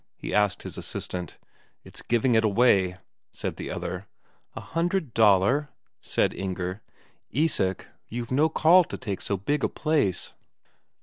he asked his assistant. "It's giving it away," said the other. "A hundred Daler?" said Inger. "Isak, you've no call to take so big a place."